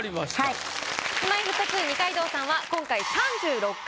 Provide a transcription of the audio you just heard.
Ｋｉｓ−Ｍｙ−Ｆｔ２二階堂さんは今回すごい３６回。